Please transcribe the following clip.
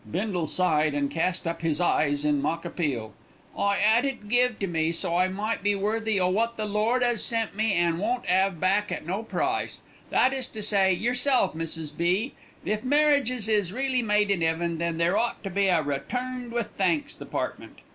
Bindle sighed, and cast up his eyes in mock appeal. "I 'ad it give to me so that I might be worthy o' wot the Lord 'as sent me an' won't 'ave back at no price that is to say, yerself, Mrs. B. If marriages is really made in 'eaven, then there ought to be a 'Returned with thanks' department.